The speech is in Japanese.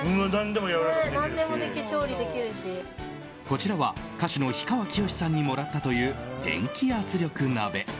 こちらは歌手の氷川きよしさんにもらったという電気圧力鍋。